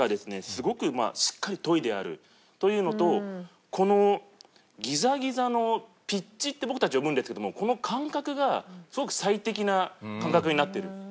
すごくしっかり研いであるというのとこのギザギザのピッチって僕たち呼ぶんですけどもこの間隔がすごく最適な間隔になってる。